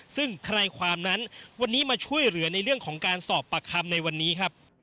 ซึ่งธนายความนั้นวันนี้มาช่วยเหลือในเรื่องของการสอบปากคำในวันนี้ครับ